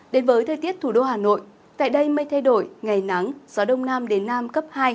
đến với thời tiết thủ đô hà nội tại đây mây thay đổi ngày nắng gió đông nam đến nam cấp hai